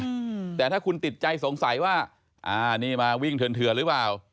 แต่ถ้างั้นถ้าคุณติดใจสงสัยว่าอ้าวอันนี้มาวิ่งเถินเถินรึเปล่า